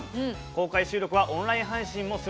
公開収録はオンライン配信もします。